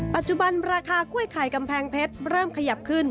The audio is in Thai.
ปัจจุบันราคากล้วยไข่กำแพงเพชรเริ่มขยับขึ้น